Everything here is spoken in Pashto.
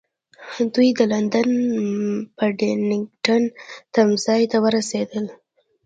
دوی د لندن پډینګټن تمځای ته ورسېدل.